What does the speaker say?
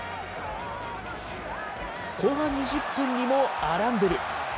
後半２０分にもアランデル。